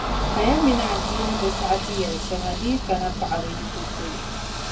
Kaya mini adiini bi saɣiti yɛli shɛŋa di yi kana paɣaba yiko polo.